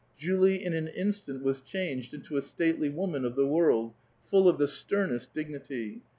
Julie in an instant was changed into a stately woman of the world, full of the sternest dignity.